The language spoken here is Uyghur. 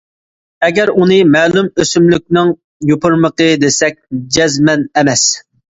ئەگەر ئۇنى مەلۇم ئۆسۈملۈكنىڭ يوپۇرمىقى دېسەك جەزمەن ئەمەس.